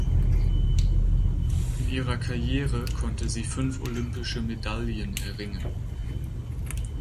In ihrer Karriere konnte sie fünf olympische Medaillen erringen.